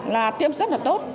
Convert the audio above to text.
là tiêm rất là tốt